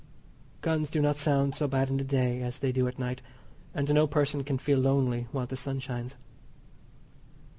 Guns do not sound so bad in the day as they do at night, and no person can feel lonely while the sun shines.